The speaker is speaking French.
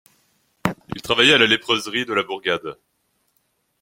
Il travaillait à la léproserie de la bourgade.